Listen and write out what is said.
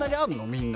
みんな。